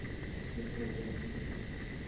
• د خوب وخت مهم دی.